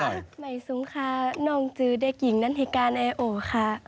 ไหมสูงคะน้องคือเด็กหญิงนั้นหิกกัลัยโอคะ